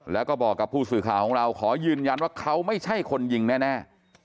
แล้วก็บอกกับผู้สื่อข่าวของเราขอยืนยันว่าเขาไม่ใช่คนยิงแน่